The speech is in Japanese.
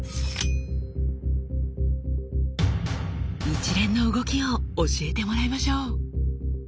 一連の動きを教えてもらいましょう。